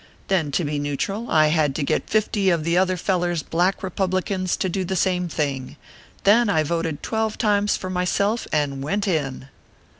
Then to be neutral, I had to get fifty of the other feller s Black Kepublicans to do the same thing. Then I voted twelve times for myself, and ivent in."